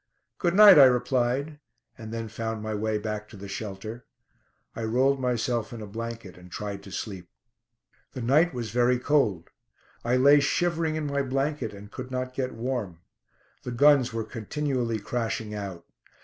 "Good night," I replied, and then found my way back to the shelter. I rolled myself in a blanket, and tried to sleep. The night was very cold. I lay shivering in my blanket and could not get warm. The guns were continually crashing out.